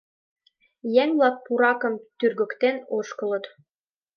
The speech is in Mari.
Еҥ-влак пуракым тӱргыктен ошкылыт.